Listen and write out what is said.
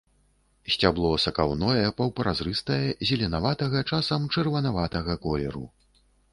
Сцябло сакаўное, паўпразрыстае, зеленаватага, часам чырванаватага колеру.